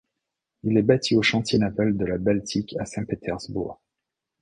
Il est bâti au chantier naval de la Baltique à Saint-Pétersbourg.